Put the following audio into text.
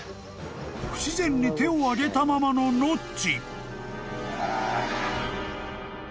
［不自然に手をあげたままのノッチ］